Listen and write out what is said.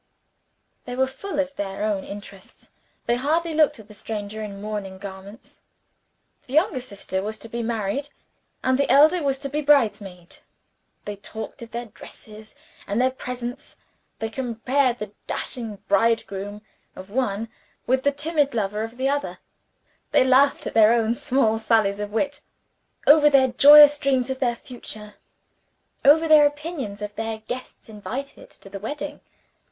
They were full of their own interests; they hardly looked at the stranger in mourning garments. The younger sister was to be married, and the elder was to be bridesmaid. They talked of their dresses and their presents; they compared the dashing bridegroom of one with the timid lover of the other; they laughed over their own small sallies of wit, over their joyous dreams of the future, over their opinions of the guests invited to the wedding.